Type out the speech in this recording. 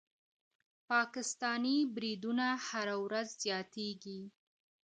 پاکستاني بریدونه هره ورځ زیاتېږي.